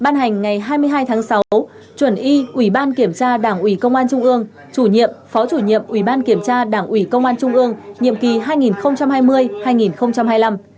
ngày hai mươi hai tháng sáu chuẩn y ủy ban kiểm tra đảng ủy công an trung ương chủ nhiệm phó chủ nhiệm ủy ban kiểm tra đảng ủy công an trung ương nhiệm kỳ hai nghìn hai mươi hai nghìn hai mươi năm